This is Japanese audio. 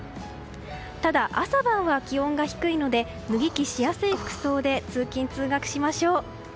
ただ、朝晩は気温が低いので脱ぎ着しやすい服装で通勤・通学しましょう。